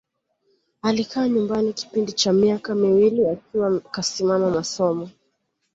Alikaa nyumbani kipindi cha miaka miwili akiwa kasimama masomo